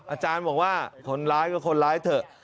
อาจารย์บอกว่าคนร้ายก็คนร้ายเถอะ